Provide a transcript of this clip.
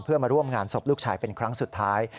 เพื่อมาร่วมงานศพลูกชายเป็นครั้งสุดท้าย